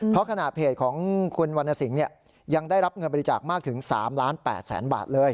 เพราะขณะเพจของคุณวรรณสิงห์ยังได้รับเงินบริจาคมากถึง๓ล้าน๘แสนบาทเลย